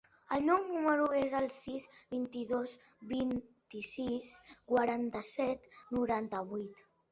El meu número es el sis, vint-i-dos, vint-i-sis, quaranta-set, noranta-vuit.